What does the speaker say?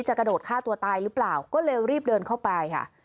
กระโดดฆ่าตัวตายหรือเปล่าก็เลยรีบเดินเข้าไปค่ะ